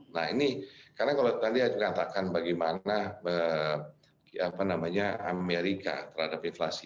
nah ini karena kalau tadi katakan bagaimana amerika terhadap inflasi